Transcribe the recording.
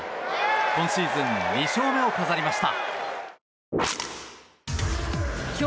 今シーズン２勝目を飾りました。